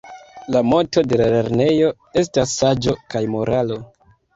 La moto de la lernejo estas "Saĝo kaj Moralo"